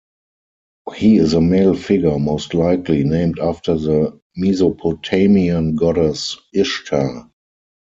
He is a male figure most likely named after the Mesopotamian goddess Ishtar.